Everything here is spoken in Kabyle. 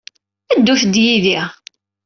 Ddut-d yid-i.